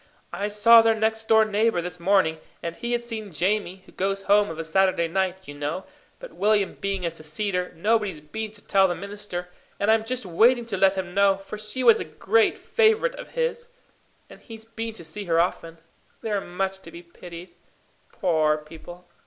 "I saw their next door neighbour this morning, and he had seen Jamie, who goes home of a Saturday night, you know; but William being a Seceder, nobody's been to tell the minister, and I'm just waiting to let him know; for she was a great favourite of his, and he's been to see her often. They're much to be pitied poor people!